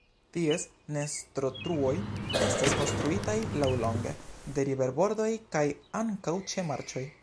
Ties nestotruoj estas konstruitaj laŭlonge de riverbordoj, kaj ankaŭ ĉe marĉoj.